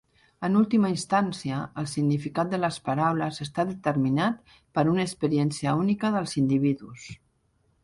En última instància, el significat de les paraules està determinat per una experiència única dels individus.